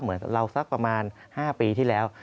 เหมือนเราสักประมาณ๕ปีที่แล้ว